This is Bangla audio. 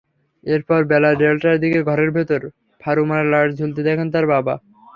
এরপর বেলা দেড়টার দিকে ঘরের ভেতর ফারুমার লাশ ঝুলতে দেখেন তাঁর বাবা।